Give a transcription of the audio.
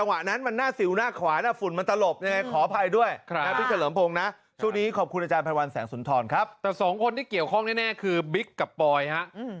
วันแสงสุนทรครับแต่สองคนที่เกี่ยวข้องแน่แน่คือบิ๊กกับปอยฮะอืม